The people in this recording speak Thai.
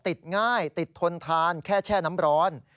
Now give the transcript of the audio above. ติดง่ายติดทนทานแค่แช่น้ำร้อน